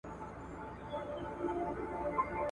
تعليم غير رسمي هم وي.